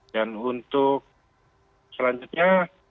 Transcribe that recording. dan untuk selanjutnya